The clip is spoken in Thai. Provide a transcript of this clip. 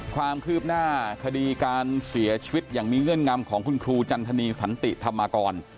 ความคืบหน้าคดีการเสียชีวิตอย่างมีเงื่อนงำของคุณครูจันทนีสันติธรรมกร